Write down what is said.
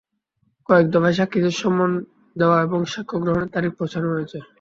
কয়েক দফায় সাক্ষীদের সমন দেওয়া এবং সাক্ষ্য গ্রহণের তারিখ পেছানো হয়েছে।